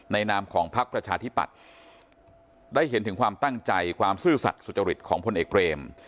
นามของพักประชาธิปัตย์ได้เห็นถึงความตั้งใจความซื่อสัตว์สุจริตของพลเอกเบรม